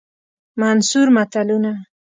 منثور متلونه